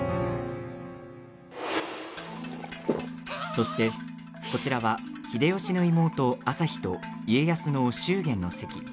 そして、こちらは秀吉の妹、旭と家康の祝言の席。